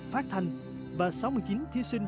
phát thanh và sáu mươi chín thí sinh